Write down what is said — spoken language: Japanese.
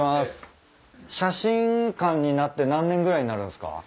写真館になって何年ぐらいになるんすか？